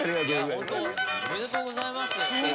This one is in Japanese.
本当おめでとうございます。